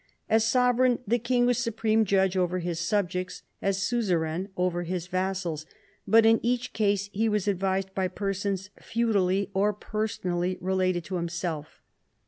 As sovereign the king was supreme judge over his subjects, as suzerain over his vassals, but in each case he was advised by persons feudally or personally related to himself.